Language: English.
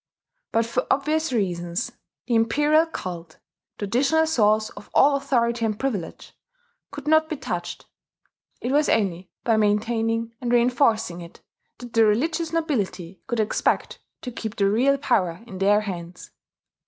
But for obvious reasons the Imperial cult traditional source of all authority and privilege could not be touched: it was only by maintaining and reinforcing it that the religious nobility could expect to keep the real power in their hands.